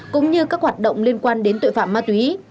cũng như các hoạt động liên quan đến tội phạm ma túy